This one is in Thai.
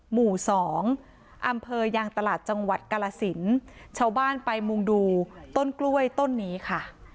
หมู่สองอำเภอยางตลาดจังหวัดกาลสินชาวบ้านไปมุ่งดูต้นกล้วยต้นนี้ค่ะ